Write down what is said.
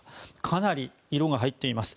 かなり色が入っています。